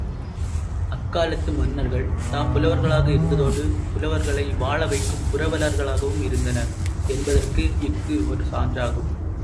அக்காலத்து மன்னர்கள் தாம் புலவர்களாக இருந்த தோடு, புலவர்களை வாழவைக்கும் புரவலர்களாகவும் இருந்தனர் என்பதற்கு இஃது ஒரு சான்றாகும்.